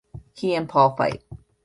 He and Paul fight.